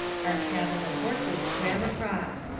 Our cattle and horses swam across.